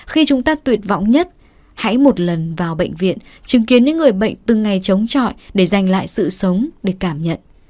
khi chúng ta tuyệt vọng nhất hãy một lần vào bệnh viện chứng kiến những người bệnh từng ngày chống trọi để giành lại sự sống để cảm nhận